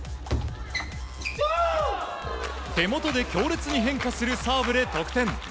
手元で強烈に変化するサーブで得点。